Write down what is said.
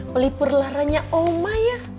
pelipur laranya omah ya